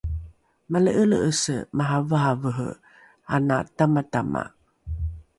male’ele’ese maraverevere ana tamatama